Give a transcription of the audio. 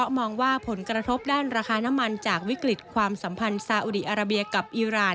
มองว่าผลกระทบด้านราคาน้ำมันจากวิกฤตความสัมพันธ์ซาอุดีอาราเบียกับอีราน